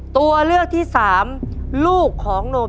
ตัวเลือกที่สอง๘คน